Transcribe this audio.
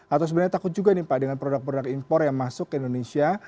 atau sebenarnya takut juga nih pak dengan produk produk impor yang masuk ke indonesia